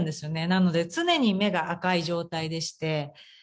なので常に目が赤い状態でして。